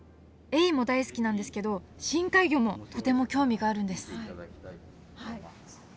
エイも大好きなんですけど深海魚もとても興味があるんですはい。